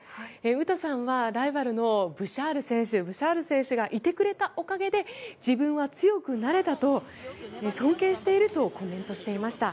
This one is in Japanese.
詩さんはライバルのブシャール選手ブシャール選手がいてくれたおかげで自分は強くなれたと尊敬しているとコメントしていました。